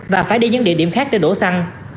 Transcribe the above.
và phải đi những địa điểm khác để đổ xăng